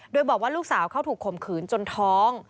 โดยบอกว่าลูกสาวเขาถูกข่มขืนจนท้อง